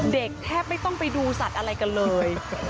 เด็กแทบไม่ต้องไปดูสัตว์อะไรกันเลย